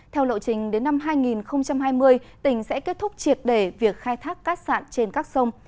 theo lộ trình đến năm hai nghìn hai mươi tỉnh sẽ kết thúc triệt để việc khai thác cát sạn trên các sông